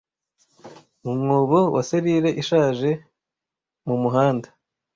Mu mwobo wa selire ishaje mumuhanda